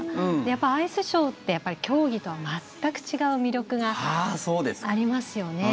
やっぱりアイスショーって競技とは全く違う魅力がありますよね。